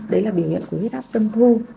đấy là biểu hiện của huyết áp tâm thu